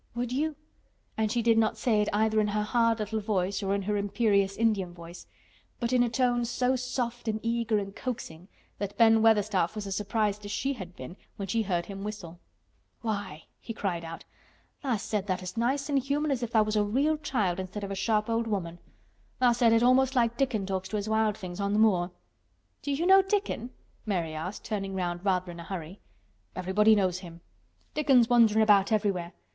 "Would you?" And she did not say it either in her hard little voice or in her imperious Indian voice, but in a tone so soft and eager and coaxing that Ben Weatherstaff was as surprised as she had been when she heard him whistle. "Why," he cried out, "tha' said that as nice an' human as if tha' was a real child instead of a sharp old woman. Tha' said it almost like Dickon talks to his wild things on th' moor." "Do you know Dickon?" Mary asked, turning round rather in a hurry. "Everybody knows him. Dickon's wanderin' about everywhere.